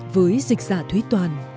với dịch giả thúy toàn